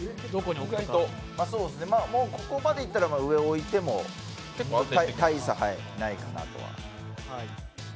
ここまでいったら上置いても大差ないかなとは。